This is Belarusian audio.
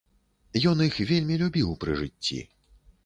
Ён іх вельмі любіў пры жыцці.